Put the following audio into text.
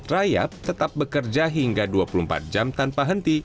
rayap tetap bekerja hingga dua puluh empat jam tanpa henti